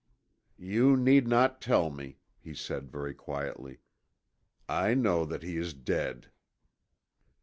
"You need not tell me," he said very quietly. "I know that he is dead."